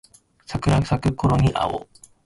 桜咲くころに会おう